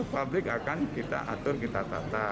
publik akan kita atur kita tata